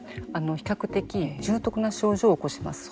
比較的、重篤な症状を起こします。